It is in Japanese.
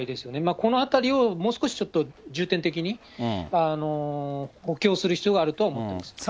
このあたりを、もう少しちょっと重点的に補強する必要があるとは思ってます。